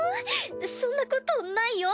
そんなことないよ。